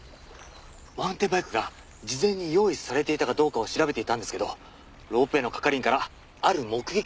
マウンテンバイクが事前に用意されていたかどうかを調べていたんですけどロープウェイの係員からある目撃証言を得られました。